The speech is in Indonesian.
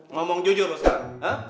ngomong jujur lo sekarang